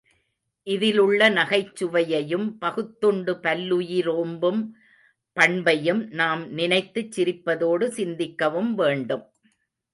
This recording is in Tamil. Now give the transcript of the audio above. இதிலுள்ள நகைச்சுவையையும் பகுத்துண்டு பல்லுயி ரோம்பும் பண்பையும் நாம் நினைத்துச் சிரிப்பதோடு சிந்திக்கவும் வேண்டும்.